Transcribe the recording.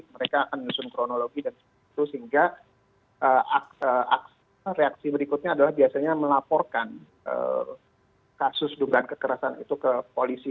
mereka akan menyusun kronologi dan sebagainya itu sehingga reaksi berikutnya adalah biasanya melaporkan kasus dugaan kekerasan itu ke polisi